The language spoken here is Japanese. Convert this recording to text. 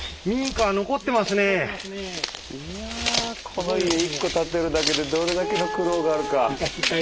この家１戸建てるだけでどれだけの苦労があるか。